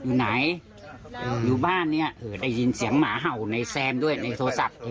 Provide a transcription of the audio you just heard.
อยู่ไหนอยู่บ้านเนี่ยได้ยินเสียงหมาเห่าในแซมด้วยในโทรศัพท์